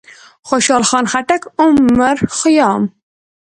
خوشحال خان خټک، عمر خيام،